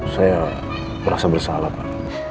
saya merasa bersalah pak